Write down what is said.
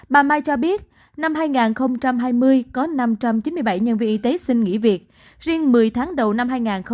bà mai cho biết năm hai nghìn hai mươi có năm trăm chín mươi bảy nhân viên y tế xin nghỉ việc riêng một mươi tháng đầu năm hai nghìn hai mươi